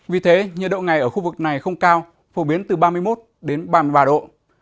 vì thế nhiệt độ ngày ở khu vực này không cao phổ biến từ ba mươi một đến ba mươi ba độ